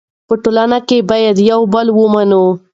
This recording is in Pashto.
په ټولنه کې باید یو بل ومنو.